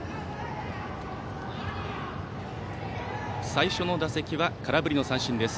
最初の打席は空振り三振です